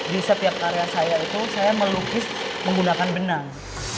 di setiap karya saya itu saya melukis menggunakan benang